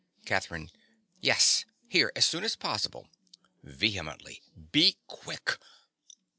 CATHERINE. Yes, here, as soon as possible. (Vehemently.) Be quick!